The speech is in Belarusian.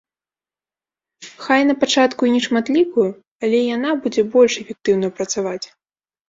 Хай напачатку і нешматлікую, але яна будзе больш эфектыўна працаваць.